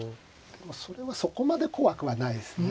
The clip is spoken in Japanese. それはそこまで怖くはないですね。